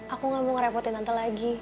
aku gak mau ngerepotin antar lagi